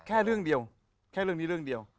แค่นี้เรื่องเดียว